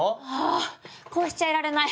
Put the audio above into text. あこうしちゃいられない。